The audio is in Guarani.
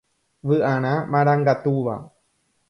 Vy'arã marangatúva.